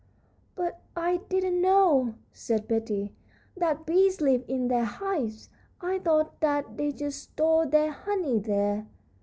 "But I didn't know," said Betty, "that bees live in their hives; I thought that they just stored their honey there."